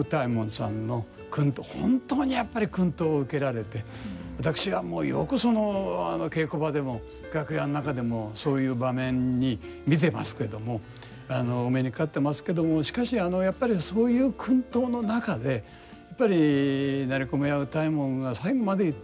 本当にやっぱり薫陶を受けられて私はよくその稽古場でも楽屋の中でもそういう場面に見てますけどもお目にかかってますけどもしかしやっぱりそういう薫陶の中でやっぱり成駒屋歌右衛門が最後まで言っていた